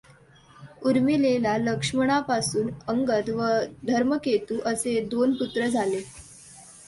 उर्मिलेला लक्ष्मणापासून अंगद व धर्मकेतु असे दोन पुत्र झाले.